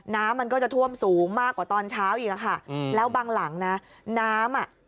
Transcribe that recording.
น้ำมันก็จะท่วมสูงมากกว่าตอนเช้าอีกอ่ะค่ะอืมแล้วบางหลังนะน้ำอ่ะ